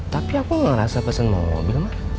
tapi aku gak rasa pesen mobil mah